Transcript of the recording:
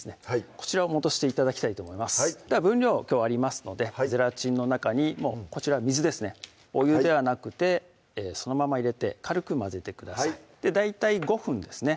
こちらを戻して頂きたいと思いますでは分量きょうはありますのでゼラチンの中にこちら水ですねお湯ではなくてそのまま入れて軽く混ぜてください大体５分ですね